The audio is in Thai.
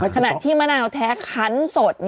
ขณะที่มะนาวแท้คันสด